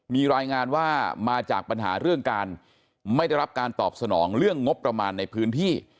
มีรายงานว่ามาจากปัญหาเรื่องการไม่ได้รับการตอบสนองเรื่องงบประมาณในพื้นที่